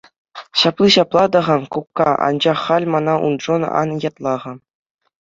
Ҫапли ҫапла та-ха, кукка, анчах халь мана уншӑн ан ятла-ха.